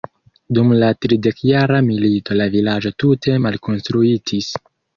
Dum la Tridekjara milito la vilaĝo tute malkonstruitis.